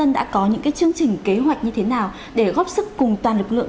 đã có những chương trình kế hoạch như thế nào để góp sức cùng toàn lực lượng